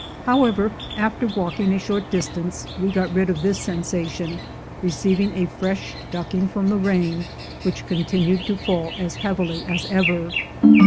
However, after walking a short dis tance, we got rid of this sensation — receiving a fresh ducking from the rain, which continued to fall as heavily as ever.